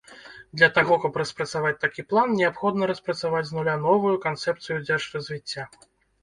Для таго каб распрацаваць такі план, неабходна распрацаваць з нуля новую канцэпцыю дзяржразвіцця.